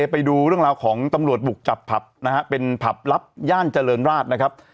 ไปดูเรื่องราวของตำรวจบุกจับผับนะฮะเป็นผับลับย่านเจริญราชนะครับ